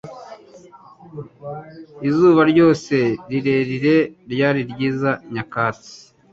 Izuba ryose rirerire, ryari ryiza, nyakatsi